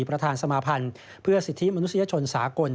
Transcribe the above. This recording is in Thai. ประธานสมาพันธ์เพื่อสิทธิมนุษยชนสากล